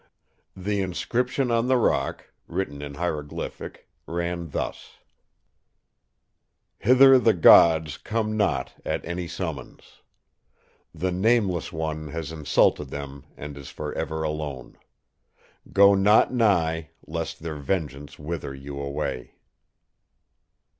The inscription on the rock, written in hieroglyphic, ran thus: "'Hither the Gods come not at any summons. The "Nameless One" has insulted them and is for ever alone. Go not nigh, lest their vengeance wither you away!